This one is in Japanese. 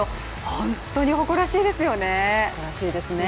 本当に誇らしいですよね。